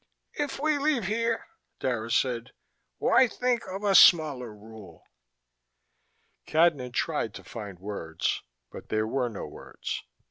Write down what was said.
"If we leave here," Dara said, "why think of a smaller rule?" Cadnan tried to find words, but there were no words.